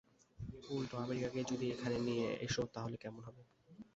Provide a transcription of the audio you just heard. উল্টো আমেরিকাকে যদি এখানে নিয়ে এসো তাহলে কেমন হবে?